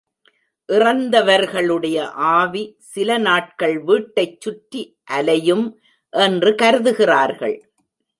இறந்தவர்களுடைய ஆவி சில நாட்கள் வீட்டைச் சுற்றி அலையும் என்று கருதுகிறார்கள்.